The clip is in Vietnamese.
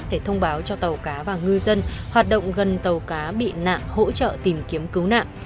để thông báo cho tàu cá và ngư dân hoạt động gần tàu cá bị nạn hỗ trợ tìm kiếm cứu nạn